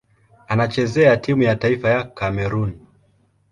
Anachezea timu ya taifa ya Kamerun.